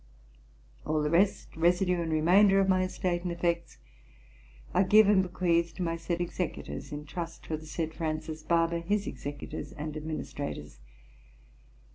All the rest, residue, and remainder, of my estate and effects, I give and bequeath to my said Executors, in trust for the said Francis Barber, his Executors and Administrators.